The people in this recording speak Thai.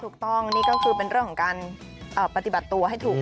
ถูกต้องนี่ก็คือเป็นเรื่องของการปฏิบัติตัวให้ถูก